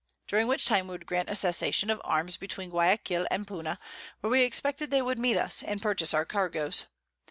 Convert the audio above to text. During which time we would grant a Cessation of Arms between Guiaquil and Puna, where we expected they would meet us, and purchase our Cargoes.